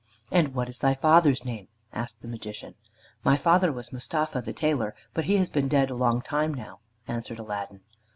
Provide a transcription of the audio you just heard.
"And what is thy father's name?" asked the Magician. "My father was Mustapha the tailor, but he has been dead a long time now," answered Aladdin.